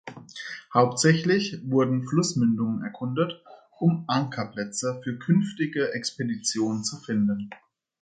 Hauptsächlich wurden Flussmündungen erkundet, um Ankerplätze für künftige Expeditionen zu finden.